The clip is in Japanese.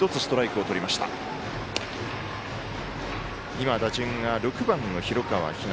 今、打順が６番の広川陽大。